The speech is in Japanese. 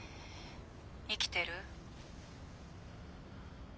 生きてる？